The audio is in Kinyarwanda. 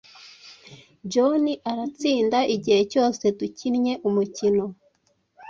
John aratsinda igihe cyose dukinnye umukino.